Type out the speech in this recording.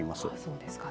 そうですか。